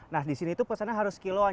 nah di sini tuh pesannya harus kiloan